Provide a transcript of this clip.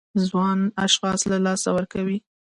ځوان اشخاص له لاسه ورکوي.